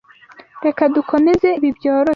Reka dukomeze ibi byoroshye.